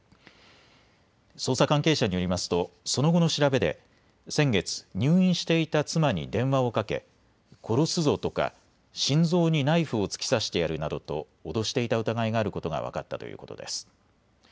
捜査関係者によりますとその後の調べで先月入院していた妻に電話をかけ殺すぞとか心臓にナイフを突き刺してやるなどと脅していた疑いがあることが分かったということです。